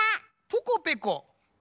ポコペコ。